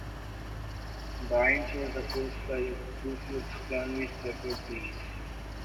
Byrnes was opposed by the Ku Klux Klan, which preferred Blease.